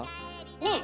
ねえ。